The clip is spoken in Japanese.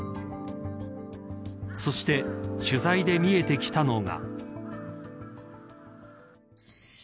そして取材で見えてきたのが。